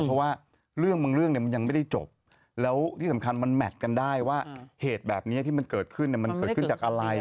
เพราะว่าเรื่องบางเรื่องมันยังไม่ได้จบแล้วที่สำคัญมันแมทกันได้ว่าเหตุแบบนี้ที่มันเกิดขึ้นมันเกิดขึ้นจากอะไร